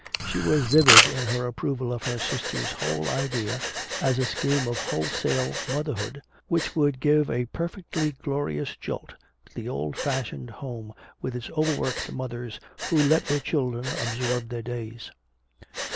She was vivid in her approval of her sister's whole idea, as a scheme of wholesale motherhood which would give "a perfectly glorious jolt" to the old fashioned home with its overworked mothers who let their children absorb their days.